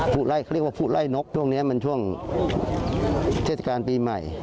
ไล่เขาเรียกว่าผู้ไล่นกช่วงนี้มันช่วงเทศกาลปีใหม่